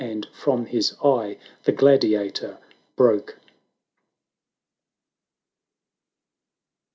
And from his eye the gladiator broke.